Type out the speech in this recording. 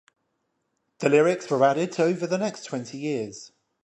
The lyrics were added to over the next twenty years.